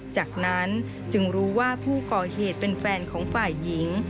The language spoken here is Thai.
จากนั้นจึงรู้ว่าผู้ก่อเหตุเป็นแฟนของฝ่ายหญิง